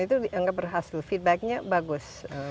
dan itu dianggap berhasil feedbacknya bagus